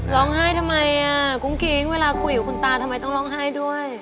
ร้องไห้ทำไมอ่ะกุ้งกิ๊งเวลาคุยกับคุณตาทำไมต้องร้องไห้ด้วย